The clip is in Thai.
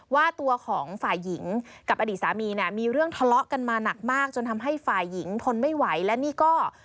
ว่าตัวของฝ่ายหญิงกับอดีตสามีมีเรื่องทะเลาะกันมาหนักมาก